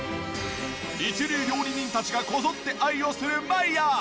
一流料理人たちがこぞって愛用するマイヤー。